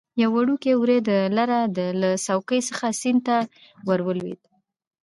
یو وړکی وری د لره له څوکې څخه سیند ته ور ولوېده.